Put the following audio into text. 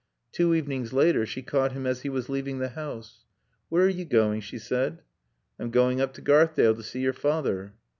Two evenings later she caught him as he was leaving the house. "Where are you going?" she said. "I'm going up to Garthdale to see your father."